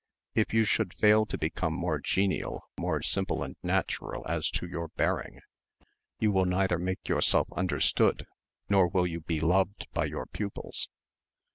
"If you should fail to become more genial, more simple and natural as to your bearing, you will neither make yourself understood nor will you be loved by your pupils."